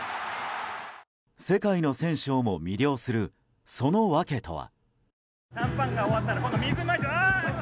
世界の選手をも魅了するその訳とは。